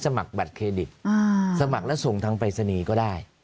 สมัครบัตรเครดิตสมัครแล้วส่งทางปรายศนีย์ก็ได้